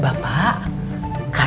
idan habis makan